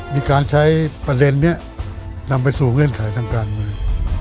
มีการใช้ประเด็นนี้นำไปสู่เงื่อนไขทางการเมือง